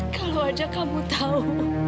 kalau aja kamu tahu